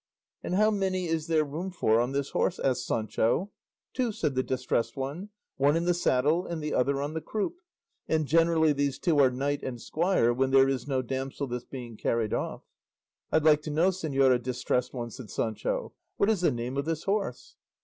"And how many is there room for on this horse?" asked Sancho. "Two," said the Distressed One, "one in the saddle, and the other on the croup; and generally these two are knight and squire, when there is no damsel that's being carried off." "I'd like to know, Señora Distressed One," said Sancho, "what is the name of this horse?"